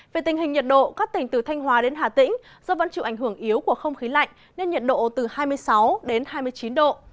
về tình hình nhiệt độ các tỉnh từ thanh hóa đến hà tĩnh do vẫn chịu ảnh hưởng yếu của không khí lạnh nên nhiệt độ từ hai mươi sáu đến hai mươi chín độ